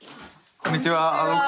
こんにちは。